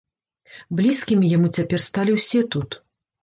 Блізкімі яму цяпер сталі ўсе тут.